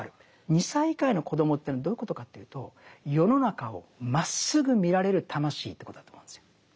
２歳以下の子供というのはどういうことかというと世の中をまっすぐ見られる魂ということだと思うんですよ。